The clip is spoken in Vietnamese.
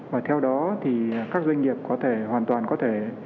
và theo đó thì các doanh nghiệp có thể hoàn toàn có thể